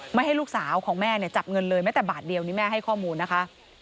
ไม่ให้ลูกสาวของแม่เนี่ยจับเงินเลยแม้แต่บาทเดียวนี่แม่ให้ข้อมูลนะคะ